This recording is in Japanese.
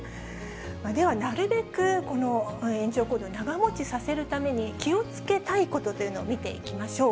では、なるべく延長コードを長持ちさせるために気をつけたいことというのを見ていきましょう。